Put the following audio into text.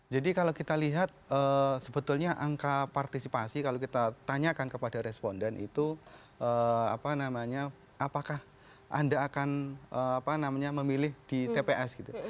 jadi kalau kita lihat sebetulnya angka partisipasi kalau kita tanyakan kepada responden itu apakah anda akan memilih di tps gitu